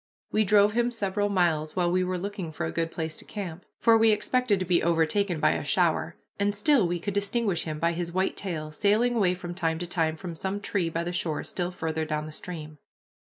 We drove him several miles, while we were looking for a good place to camp, for we expected to be overtaken by a shower, and still we could distinguish him by his white tail, sailing away from time to time from some tree by the shore still farther down the stream.